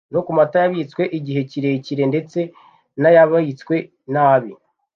no ku mata yabitswe igihe kirekire ndetse n’ayabitswe nabi.